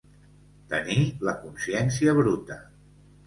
Tenir la consciència bruta.